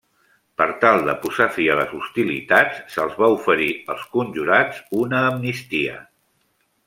Per tal de posar fi a les hostilitats, se'ls va oferir als conjurats una amnistia.